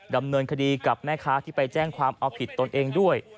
ดำเนินคดีกับแม่ค้าที่ไปแจ้งความเอาผิดตนเองด้วย